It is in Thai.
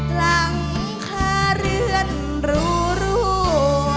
หลังคาเรือนรู